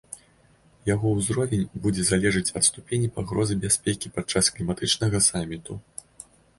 Яго ўзровень будзе залежыць ад ступені пагрозы бяспекі падчас кліматычнага саміту.